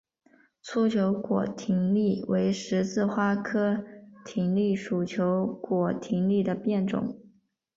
粗球果葶苈为十字花科葶苈属球果葶苈的变种。